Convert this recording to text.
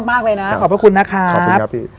มากเลยนะขอบพระคุณนะครับ